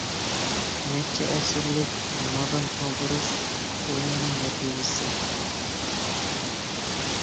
نەچچە ئەسىرلىك نادان قالدۇرۇش ئويۇنىنىڭ نەتىجىسى.